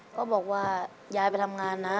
ก็บอกว่ายายไปทำงานนะ